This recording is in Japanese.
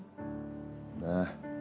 なあ